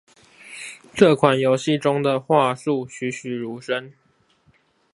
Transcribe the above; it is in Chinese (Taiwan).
這款遊戲中的樺樹栩詡如生